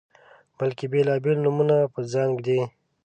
بلکې بیلابیل نومونه په ځان ږدي